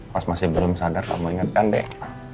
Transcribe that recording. pas masih belum sadar kamu ingatkan deh